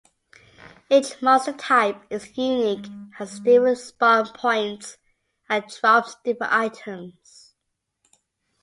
Each monster-type is unique, has different spawn points, and drops different items.